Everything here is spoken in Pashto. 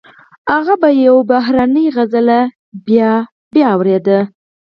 هغه به يوه بهرنۍ سندره بيا بيا اورېده.